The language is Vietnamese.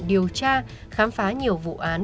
điều tra khám phá nhiều vụ án